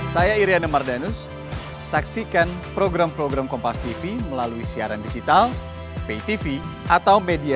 saya iryana mardhanus saksikan program program kompas tv melalui siaran digital pay tv atau media